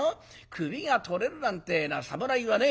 首が取れるなんてえのは侍はね